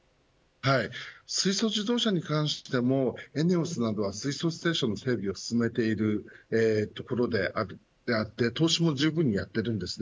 水素自動車に関してもＥＮＥＯＳなどは水素ステーションの整備を進めているところであって投資もじゅうぶんしています。